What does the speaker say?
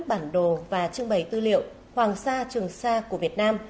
bản đồ và trưng bày tư liệu hoàng sa trường sa của việt nam